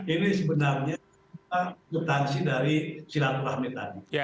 ini sebenarnya kita ketansi dari silat rahmi tadi